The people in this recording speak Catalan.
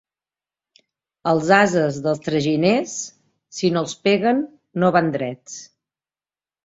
Els ases dels traginers, si no els peguen, no van drets.